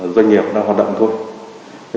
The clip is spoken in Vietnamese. doanh nghiệp đang hoạt động thôi